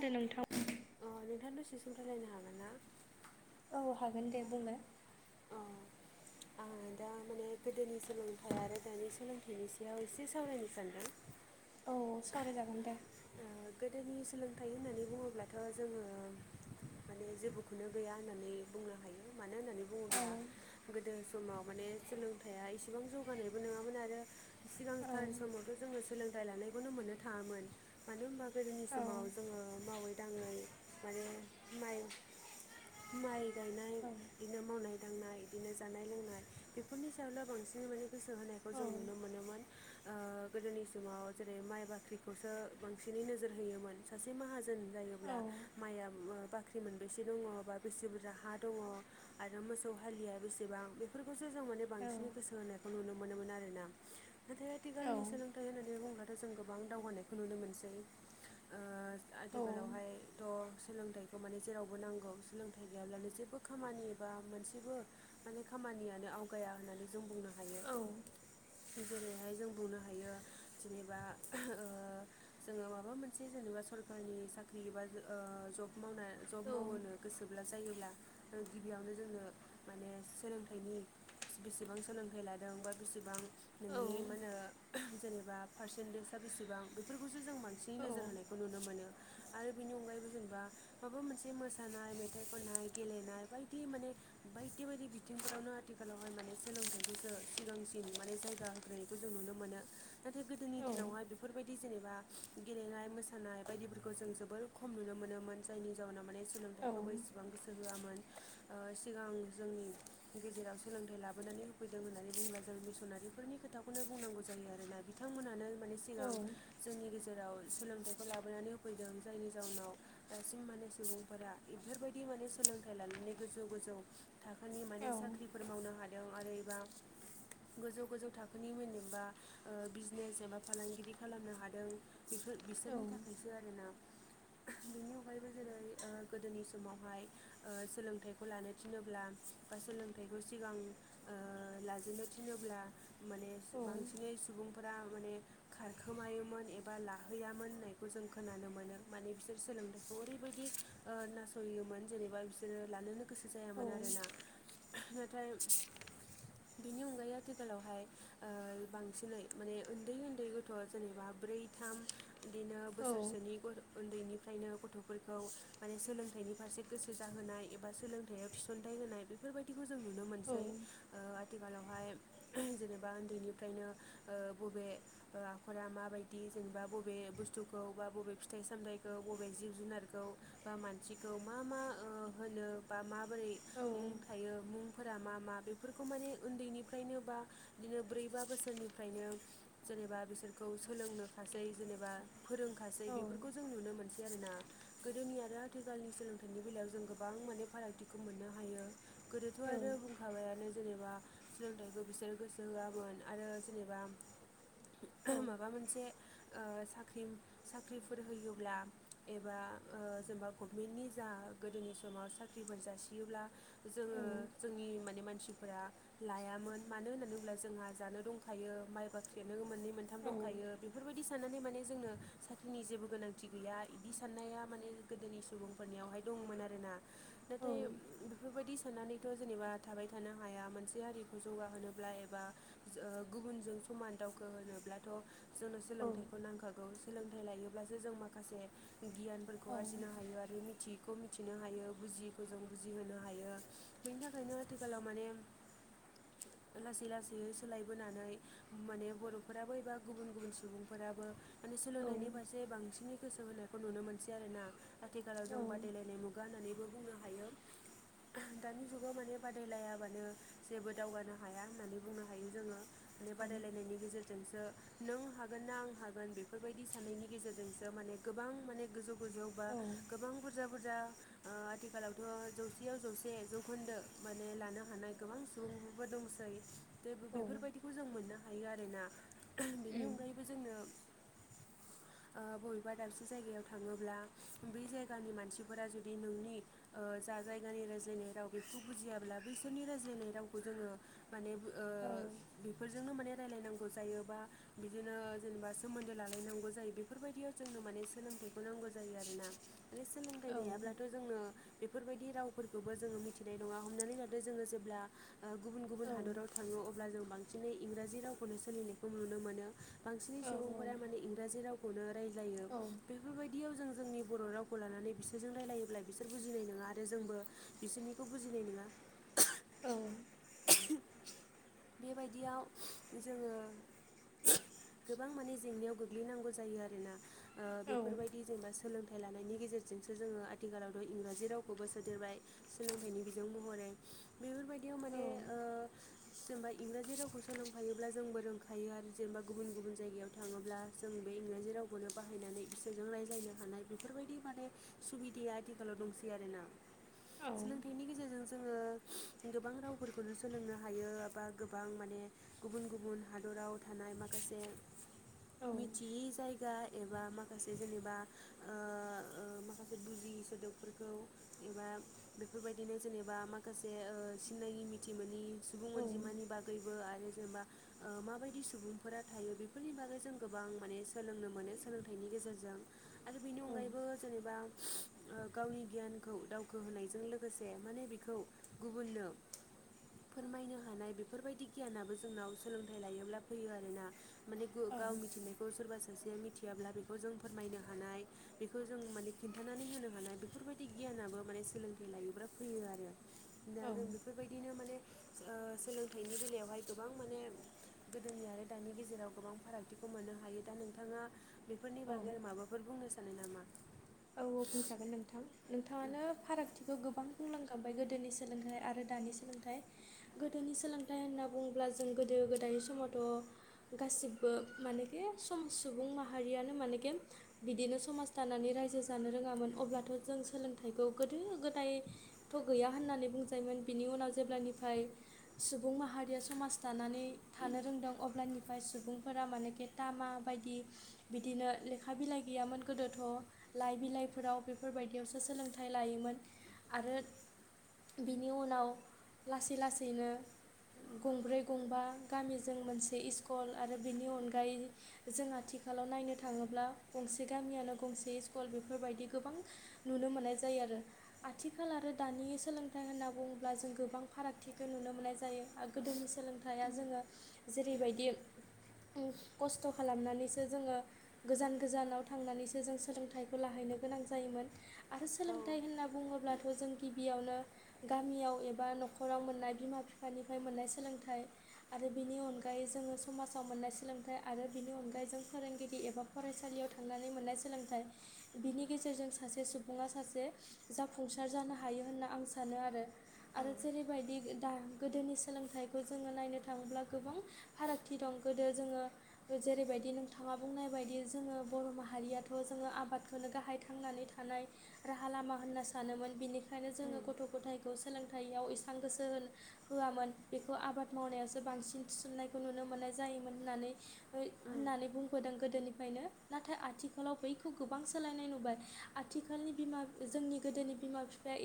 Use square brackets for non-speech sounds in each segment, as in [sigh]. नोंगौ नोंथां अ नोंथां दसे सम रायलायनो हागोन ना? औ हागोन दे बुंलाय अ आं दा माने गोदोनि सोलोंथाइ आरो दानि सोलोंथाइनि सो बेयाव एसे सावरायनो सानदों। औ सावरायजागोन दे। ओ गोदोनि सोलोंथाइ होननानै बुङोब्लाथ' जोङो माने जेबोखौनो गैया होननानै बुंनो हायो। मानो होननानै औ बुङोब्ला गोदो समाव माने सोलोंथाइया इसेबां जौगानायबो नङामोन आरो। औ सिगांथार समावथ' जोङो सोलोंथाइ लानायखौनो मोननो थाङामोन मानो होनबा गोदोनि औ समाव जोङो मावै दाङै माने माइ माइ गायनाय बिदिनो मावनाय दांनाय बिदिनो जानाय लोंनाय बेफोरनि सायावल' बांसिनै माने गोसो होनायखौ औ जों नुनो मोनोमोन गोदोनि समाव जेरै माइ बाख्रिखौसो बांसिनै नोजोर होयोमोन सासे माहाजोन जायोब्ला माइआ बाख्रि मोनबेसे दङ बा बेसे बुरजा हा दङ आरो मोसौ हालिया बेसेबां बेफोर खौसो जों माने बांसिनै गोसो होनायखौ नुनो मोनोमोन आरोना। नाथाय आथिखालनि सोलोंथाइ होननानै बुङोब्लाथ' जों गोबां दावगानायखौ नुनो मोनसै ओ आथिखालावहायथ' सोलोंथाइखौ माने जेरावबो नांगौ सोलोंथाइ गैयाब्लानो जेबो खामानि बा मोनसेबो माने खामानि खानियानो आवगाया होननानै जों बुंनो हायो औ जेरैहाय जों बुंनो हायो जेनेबा ओ जोङो माबा मोनसे जेनेबा सरकनि साख्रि एबा ओ जब मावना जब मावो गोसोब्ला जायो अब्ला गिबियावनो जोंङनो माने सोलोंथाइनि बेसेबां सोलोंथाइ लादों बा बेसेबां नोंनि मा होनो जेनेबा पारसेन्टेजआ बेसेबां बेफोर सो जों मानसिनि नोोर होनायखौ नुनो मोनो। आरो बेनि अनगायैबो जेनेबा माबा मोनसे मोसानाय मेथाइ खननाय गेलेनाय बायदि माने बायदि बायदि बिथिंफोरावनो आथिखालावहाय माने सोलोंथाइखौसो सिगांसिन माने जायगा होग्रोनायखौ ज नुनो मोनो ना गोदोनि दिनावहाय बेफोरबाय जेनेबा बा गेलेनाय मोसानाय बायदिफोरखौ जों जोबोर खम नुनो मोनोमोन जायनि जाउोनाव माने औ सोलोंथाइखौबो एसेबां गोसो हो होआमोन ओ सिगां जोंनि गेजेराव सोलोंथाइ लाबोनानै होफैदों होननानै बुंब्ला जों मिसनारिफोरनि खोथाखौनो बुंनांगौ जायो आरोना बिथांमोनानो माने औ सिगां जोंनि गेजेराव सोलोंथाइखौ लाबोनानै होफैदों जायनि जाउनाव दासिम माने सुबुंफोरा बेफोरबायदि माने सोलोंथाइ लानानै गोजौ गोजौ थाखोनि माने साख्रिफोर मावनो हादों आरो एबा [inaudible] गोजौ गोजौ थाखोनि जेनेबा ओ बिजनेस एबा फालांगिरि खालामनो हादों। दों बिफोर बिसोरनि थाखायसो आरोना। बेनि अनगायैबो जेरै [inaudible] ओ गोदोनि समावहाय ओ सोलोंथाइखौ लानो थिनोब्ला बा सोलोंथाइखौ सिगां ओ लाजेनो थिनोब्ला ओ माने बांसिनै सुबुंफोरा माने खारखोमायोमोन। एबा लाहैयामोन होननायखौ जों खोनानो मोनो माने बिसोर सोलोंथाइखौ ओरैबायदि ओ नासय होयोमोन जेनेबा बिसोरो लानोनो गोसो जायामोन आरोना नाथाय बिनि अनगायै आथिखालावहाय ओ बांसिनै माने उन्दै उन्दै गथ' जेनेबा ब्रै थाम बिदिनो बोसोरसेनि उन्दैनिफ्रायनो गथ'फोरखौ माने सोलोंथाइनि फारसे गोसो जाहोनाय एबा सोलोंथाइयाव थिसनथाइ नाय बेफोरबायखौ जों नुनो मोनसै ओ आथिखालावहाय जेनेबा उन्दैनिफ्रायनो ओ बबे आखरा माबायदि बिदि जेनेबा बबे बुस्थुखौ बा बबे फिथाइ सामथाइखौ बबे जिब जुनारखौ बा मानसिखौ मा मा ओ होनो बा माबोरै मुं थायो फोर मा मा बेफोरखौ माने उन्दैनिफ्रायनो बा बिदिनो ब्रै बा बोसोरनिफ्रायनो जेनेबा बिसोरखौ सोलोंनो खासै जेनेबा फोरोंखासै बेफोरखौ जों नुनो मोनसै। आरो ना गोदोनि आरो आथिखालनि सोलोंथाइनि बेलायाव जों गोबां माने फारागथिखौ मोननो हायो। गोदोथ' आरो बुंखाबायानो जेनेबा सोलोंथाइखौ बिसोर गोसो होआमोन आरो जेनेबा माबा मोनसे ओ [inaudible] साख्रिफोर होयोब्ला एबा ओ जेनेबा गभमेन्टनि जा गो गोदोनि समाव साख्रिफोर जासियोब्ला जोङो जोंनि माने मानसिफोरा लायामोन मानो होननानै ब्ला जोंहा जानो दंखायो माइ बाख्रिेनो माने मोनथाम दंखायो बिदि साननानै माने जोंनो साख्रिनि जेबो गोनांथि गैया बिदि साननाया माने गोदोनि सुबुंफोरनियावहाय दंमोन आरो ना नाथाय बिफोरबादि सनानैथ' जेनेबा थाबाय थानो हाया मोनसे हारिखौ जौगाहोनोब्ला एबा ओ गुबुनजों समान दावखो होनोब्लाथ' जोंनो सोलोंथाइखौ नांखागौ सोलोंथाइ लायोब्लासो जों माखासे गियानफोरखौ आरजिनो हायो आरो मिथिग खौ मिथिनो हायो बुजियैखौ जों बुजिहोनो हायो बेनि थाखायनो आथिखालाव माने [inaudible] लासै लासै सोलायबोनानै माने बर'फोराबो एबा गुबुन गुबुन सुबुंफोराबो माने सोलोंथाइनि फारसे बांसिनै गोसो होनायखौ नुनो मोनसै आरोना आथिखालाव जों बादायलायनाय मुगा होननानैबो बुंनो हायो [inaudible] दानि जुगाव माने बादायलायाबानो जेबो दावगानो हाया होननानै बुंनो हायो जोङो माने बाद रायलायनायनि गेजेरजोंसो नों हागोन ना आं हागोन बेफोरबायदि साननायनि गेजेरजोंसो माने गोबां माने गोजौ गोजौबा गोबां बुरजा बुरजा आथिखालावथ' जौसेयाव जौसे जौखोन्दो माने लानो हानाय गोबां सुबुं दैे बेफोरबायदिखौ जों मोननो हायो आरोना बेनि अनगायैबो जोंनो [inaudible] बबेबा दाबसे जायगायाव थाङोब्ला ब जायगानि मानसिफोरा जुदि नोंनि जा जायगानि रायज्लायनाय राव बेखौ बुजियाब्ला बैसोरनि रायज्लायनाय रावखौ जोङो माने उम औ बेफोरजोंनो माने रायलायनांगौ जायोबा बिदिनो जेनेबा सोमोन्दो लालायनांगौ जायो बेफोरबायदियाव जोंनो माने सोलोंथाइखौ नांगौ जायो आरोना माने सोलोंथाइ गैयाब्लाथ' जोङो बेफोरबायदि रावफोरखौबो जोङो मिथिनाय नङा हमनानै लादो जोङो जेब्ला गुबुन गुबुन हादराव थाङो अब्ला जों बांसिनै इंराजि रावखौनो सोलिनायखौ नुनो मोनो बांसिनै सुबुंफोरा माने इंराजि रावखौनो रायज्लायो बेफोरबायदियाव जों जोंनि बर' रावखौ लानानै बिसोरजों रायलायोब्ला बिसोर बुजिनाय नङा आरो जोंबो बिसोरनिखौ बुजिनाय नङा औ बेबायदियाव जोङो गोबां माने जेंनायाव गोग्लैनांगौ जायो आरोना ओ बेफोरबायदि जेनेबा सोलोंथा [unintelligible] गेजेरजोंसो जोङो आथिखालावथ' इंराजि रावखौबो सोदेरबाय सोलोंथाइनि बिजों महरै बेफोरबाय औ जेनेबा इंराजि रावखौ सोलोंफायोब्ला जोंबो रोंखायो आरो जेनेबा गुबुन गुबुन जायगायाव थाङोब्ला जों जों बे इंराजि रावखौनो बाहायनानै बिसोरजों रायज्लायनो हानाय बेफोरबायदि माने सुबिदाया आथिखालाव दं सै आरोना सोलोंथाइनि गेजेरजों जोङो गोबां राव फोरफोरखौनो सोलोंनो हायो बा गोबां माने गुबुन गुबुन हादराव थानाय माखासे मिथियै जायगा एबा माखासे जेनेबा ओ माखासे बुजि सोदोबफोरखौ एबा बेफोरबायदिनो जेनेबा माखासे सिना थि मोननि सुबुं अनजिमानि बागैबो आरो जेनेबा ओ माबायदि सुबुंफोरा थायो बेफोरनि बागै जों गोबां माने सोलोंनो मोनो सोलोंथाइनि गेजेरजों गेजेरजों आरो बेनि अनगायैबो जेनेबा [inaudible] ओ गावनि गियानखौ दावखो होनोनायजों लोगोसे माने बेखौ गुबुननो फोरमायनो हानाय बेफोरबायदि गियानाबो जोंनाव सोलोंथाइ लायोब्ला फैयो आरोना माने गाव मिथिनायखौ सोरबा सासेया मिथियाब्ला बेखौ जों फोरमायनो हानाय बेखौ जों माने खिनथानानै होनो हानाय बेफोरबायदि गियान सोलोंथाइ लायोब्ला फैयो आरो दा जों बेफोरबायदि [unintelligible] सोलोंथाइनि बेलायावहाय गोबां माने गोदोनि आरो दानि गेजेराव गोबां फारागथिखौ मोनो हायो दा नोंथाङा बेफोरनि बागै माबाफोर बुंनो सानो नामा औ औ बुंजागोन नोंथां उम नोंथाङानो फारागथिखौ गोबां बुंलांखाबबाय गोदोनि सोलोंथाइ आरो दानि सोलोंथाइ गोदोनि सोलोंथाइ होनना बुङोब्ला जों गोदो गोदाय समावथ' गासिबो मानेखे सम सुबुं माहारियानो मानेखे बिदिनो समाज दानानै रायजो जानो रोङामोन अब्लाथ' जों सोलोंथाइखौ गोदो गोदायथ' गैया होननानै बुंजायोमोन बिनि उनाव जेब्लानिफ्राय सुबुं माहारिया समाज दानानै थानो रोंदों अब्लानिफ्राय सुबुंफोरा मानेखे टामा बायदि बिदिनो लेखा बिलाइ गैयामोन गोदोथ' लाइ बिलाइफोराव बेफोरबायदियावसो सोलोंथाइ लायोमोन आरो बेनि उनाव लासै लासैनो गंब्रै गंबा गामिजों मोनसे स्कुल आरो बेनि अनगायै जोंहा थिग आथिखालाव नायनो थाङोब्ला गंसे गामिानो गंसे सि स्कुल बेफोरबायदि गोबां नुनो मोननाय जायो आरो आथिखाल आरो दानि सोलोंथाइ होनना बुङोब्ला जों गोबां फारागथि नुनो मोननाय जायो आरो गोदोनि सोलोंथाइ जोङो जेरैबायदि [unintelligible] खसथ' खालामनानैसो जोङो गोजान गोजानाव थांनानैसो जों सोलोंथाइ खौ लाहैनो गोनां जायोमोन आरो औ सोलोंथाइ होनना बुङोब्लाथ' जों गिबियावनो गामियाव एबा न'खराव मोननाय बिमा बिफानिफ्राय मोननाय सोलोंथाइ आरो बेनि अनगा यै जोङो समाजाव मोननाय सोलोंथाइ आरो बिनि अनगायै जों फोरोंगिरि एबा फरायसालियाव थांनानै मोननाय सोलोंथाइ बिनि गेजेरजों सासे सुबुङा सासे जाफुंसार जानो हायो होनना आं सानो आरो आरो जेरैबायदि दा गोदोनि सोलोंथाइखौ जोङो नायनो थाङोब्ला गोबां फारागथि दं गोदो जोङो जेरैबायदि नोंथाङा बुंनाय बायदि जोङो बर' माहारियाथ' जोङो आबाद नो गाहाय थांनानै थानाय राहा लामा होनना सानोमोन बेनिखायनो जोङो उम गथ' गथायखौ सोलोंथाइयाव एसेबां गोसो होन होयामोन बेखौ आबाद मावनायावसो बांसिन थिसननायखौ नुनो मोनो जायोमोन उम होननानै बुंदों गोदोनिफ्रायनो नाथाय आथिखालाव बैखौ गोबां सोलायनाय नुबाय आथिखालनि बिमा जोंनि गोदोनि बिमा बिफाया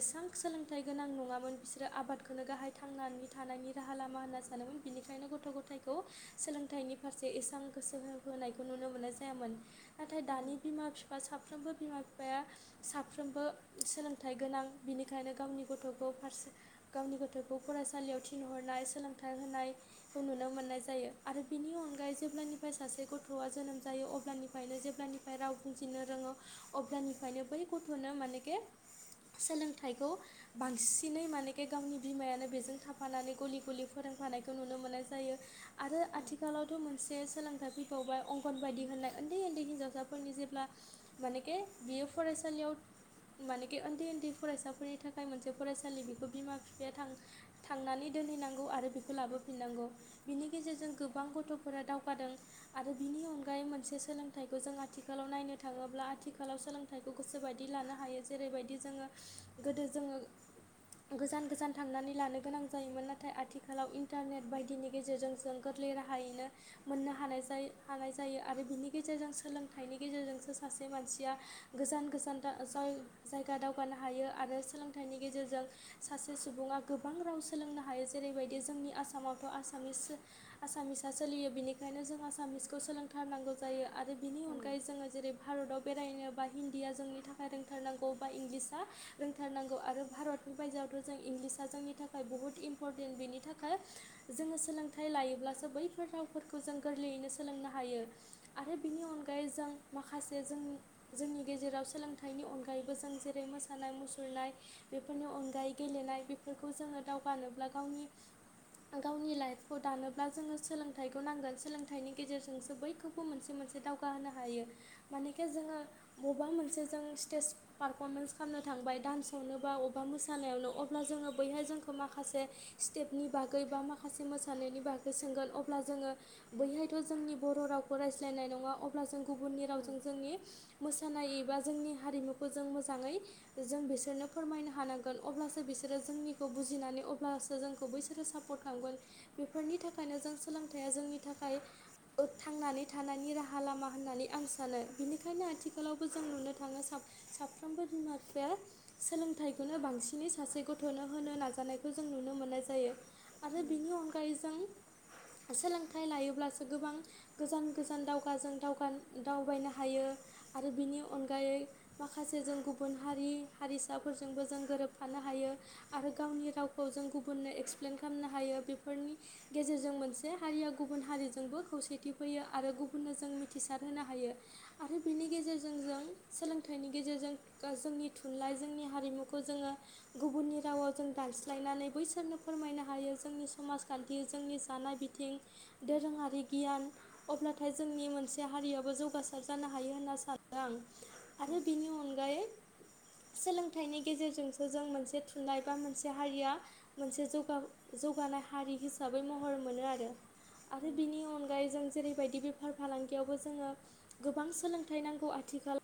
एसेबां सोलों थाइ‌ गोनां नङामोन बिसोरो आबादखौनो गाहाय थांनानै थानायनि राहा लामा होनना सानोमोन बेनिखायनो गथ' ग'थाय खौ सोलोंथाइनि फारसे इसेबां गोसो हो होनोनायखौ नुनो मोननाय जायामोन नाथाय उम दानि बिमा बिफा साफ्रोमबो बिमा बिफाया साफ्रोमबो सोलोंथाइ गोनां बिनिखायनो गावनि गावनि गथ'खौ फरायसालियाव थिनहरनाय सोलोंथाइ होनायखौ नुनो मो- ननाय जायो आरो बिनि अनगायै जेब्लानिफ्राय सासे गथ'आ जोनोम जायो अब्लानिफ्रायनो जेब्लानि फ्राय राव बुजिनो रोङो अब्लानिफ्रायनो बै गथ'नो मानेके सोलोंथाइखौ बांसिनै मानेखे गावनि बिमायानो बेजों थाफानानै गलि गुलि फोरों फानायखौ नुनो मोननाय जायो आरो उम आथिखालावथ' मोनसे सोलोंथाइ फैबावबाय अंगनबादि होननाय उन्दै उन्दै हिनजावसाफोरनि जेब्ला मानेके बियो फरायसालियाव मानेखि उन्दै उन्दै फरायसाफोरनि थाखाय मोनसे फरायसालि बेखौ बिमा बिफाया थांनानै दोन हैनांगौ आरो बेखौ लाबोफिननांगौ बिनि गेजेरजों गोबां गथ'फोरा दावगादों आरो बिनि नि अनगायै मोनसे सोलोंथाइखौ जों आथि- खालाव नायनो थाङोब्ला आथिखालाव सोलोंथाइखौ गोसोबायदि लानो हायो जेरैबायदि जोङो गोदो जों [inaudible] गोजान गोजान थांनानै लानो गोनां जायोमोन नाथाय आथिखालाव इन्टारनेट बायदिनि गेजेरजों जों गोरलै राहायैनो मोननो हानाय जायो आरो बिनि गेजेरजों सोलों थाइनि गेजेरजोंसो सासे मानसिया गोजान गोजान जायगा दावगानो हायो आरो सोलोंथाइनि गेजेरजों सासे सुबुङा गोबां राव सोलोंनो हायो जेरैबायदि जोंनि आसामावथ' आ- सामिसा सोलियो बिनिखायनो जों आसामिसखौ सोलोंथारनांगौ जायो आरो बिनि अन- गायै उम जोङो जेरै भारताव बेरायनो बा हिन्दीया जोंनि थाखाय रोंथारनांगौ बा इंलिसाआ रोंथारनांगौ भारतनि बायजोआवथ' जों इंलिसा जोंनि थाखाय बुहुत इम्परटेन्ट बेनि थाखाय जों सोलोंथाइ लायोब्लासो बैफोर रावफोरखौ जों गोरलैयैनो सोलोंनो हायो आरो बिनि अन- गायै जों माखासे जों जोंनि गेजेराव सोलोंथाइनि अनगायैबो जों जेरै मोसानाय मुसुर नाय बेफोरनि अनगायै गेलेनाय बेफोरखौ जोङो दावगानोब्ला गावनि गावनि लाइफखौ दानोब्ला जोङो सोलोंथाइखौ नांगोन सोलोंथाइनि गेजेरजोंसो बयखौबो मोनसे मोनसे दाव- गा होनो हायो मानेखे जोङो बबेबा मोनसे जों स्टेज पारफरमेन्स खालामनो थांबाय डान्सआवनो बा अबेबा मोसानायावनो अब्ला जोङो बैहाय जोंखौ माखासे स्टेपनि बागै बा माखासे माखासे मोसानायनि बागै सोंगोन अब्ला जोङो बैहायथ' जोंनि बर' रावखौ रायज्लायनाय नङा अब्ला जों गुबुननि रावजों जोंनि मोसानाय एबा जोंनि हारिमुखौ जों मोजाङै जों बिसोरनो फोरमायनो हानांगोन अब्लासो बिसोरो जोंनिखौ बुजिनानै अब्लासो जोंखौ बैसोरो सापर्ट खामगोन ‌। बेफोरनि थाखायनो जों सोलोंथाइया जोंनि थाखाय थांनानै थानायनि राहा राहा लामा होननानै आं सानो बेनिखायनो आथिखालावबो जों नुनो थाङो साफ्रोमबो बिमा बिफाया सोलोंथाइखौनो बांसिनै सासे गथ'नो होनो नाजानायखौ जों नुनो मोननाय जायो। आरो उम बेनि अनगायै जों सोलोंथाइ लायोब्लासो गोबां गोजान गोजान दाव गाजों दावबायनो हायो आरो बिनि अनगायै माखासे जों गुबुन हारि हारिसाफोरजोंबो जों गोरोबफानो हायो आरो गावनि रावखौ जों गुबुननो एक्सप्लइेन खालाम- नो हायो बेफोरनि गेजेरजों मोनसे हारिया गुबुन हारिजोंबो खौसेथि फैयो आरो गुब- बुननो जों मिथिसार होनो हायो आरो बेनि गेजेरजों जों सोलोंथाइनि गेजेरजों जों नि जों थुनलाइ जोंनि हारिमुखौ जोङो गुबुननि रावाव जों दानस्लायनानै बैसोरनो फोरमायनो हायो। हायो जोंनि समाजखान्थि जोंनि जानाय बिथिं दोरोङारि गियान अब्ला थाय जोंनि मोनसे हारियाबो जौगासार जानो हायो होनना सानो आं। उम आरो बिनि अनगायै सोलोंथाइनि गेजेरजोंसो जों मोनसे थुनलाइ बा मोनसे हारिया मोनसे जौगा जौगा हानाय हारि हिसाबै महर मोनो आरो उम बिनि अनगायै जों जेरैबायदि बे बेफार फालांगियावबो जोङो गोबां सोलोंथाइ नांगौ आथिखाल